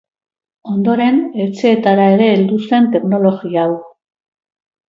Ondoren etxeetara ere heldu zen teknologia hau.